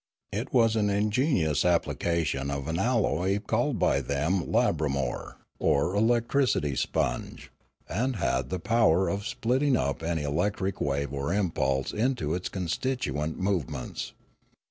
It was an ingenious application of an alloy called by them labramor, or electricity sponge, and had the power of splitting up any electric wave or impulse into its constituent movements.